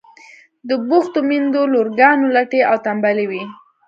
د بوختو میندو لورگانې لټې او تنبلې وي.